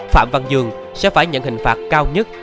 phạm văn dương sẽ phải nhận hình phạt cao nhất